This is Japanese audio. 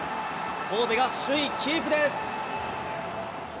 神戸が首位キープです。